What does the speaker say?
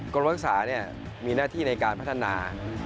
กรมภรษศึกษามีหน้าที่ในการพัฒนา